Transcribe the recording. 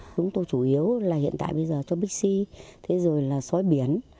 chúng tôi chủ yếu là hiện tại bây giờ cho bixi thế rồi là xói biển